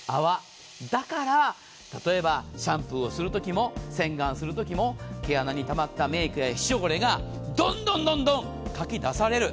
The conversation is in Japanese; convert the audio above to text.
だから例えばシャンプーをする時も洗顔する時も毛穴にたまったメイクや皮脂汚れがどんどんかき出される。